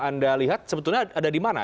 anda lihat sebetulnya ada di mana